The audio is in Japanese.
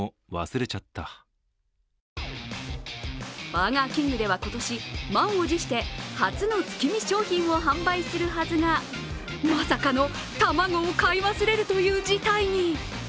バーガーキングでは今年、満を持して初の月見商品を販売するはずがまさかの卵を買い忘れるという事態に。